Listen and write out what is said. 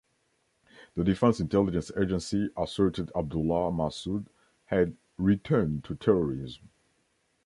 The Defense Intelligence Agency asserted Abdullah Mahsud had "returned to terrorism".